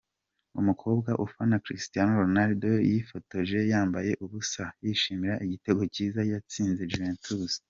Umukobwa ufana Cristiano Ronaldo yifotoje yambaye ubusa yishimira igitego cyiza yatsinze Juventus.